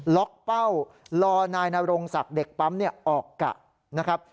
ล็อกเป้ารอนายนรงศักดิ์เด็กปั๊มออกกะนะครับ